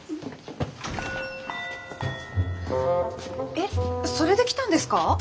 えっそれで来たんですか？